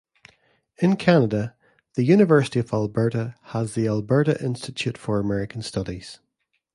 In Canada, the University of Alberta has the Alberta Institute for American Studies.